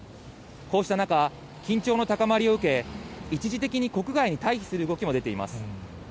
こうした中、緊張の高まりを受け、一時的に国外に退避する動きも出ています。